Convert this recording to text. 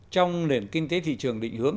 trong nền kinh tế thị trường định hướng